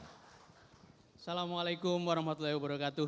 assalamualaikum warahmatullahi wabarakatuh